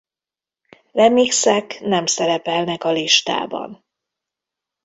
Remixek nem szerepelnek a listában.